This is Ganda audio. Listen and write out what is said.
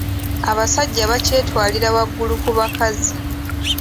Abasajja bakyetwalira waggulu ku bakazi.